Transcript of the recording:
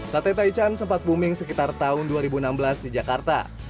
sate taichan sempat booming sekitar tahun dua ribu enam belas di jakarta